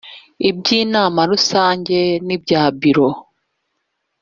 by inama rusange n ibya biro